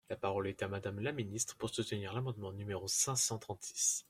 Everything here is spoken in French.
La parole est à Madame la ministre, pour soutenir l’amendement numéro cinq cent trente-six.